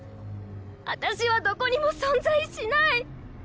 あたしはどこにも存在しない。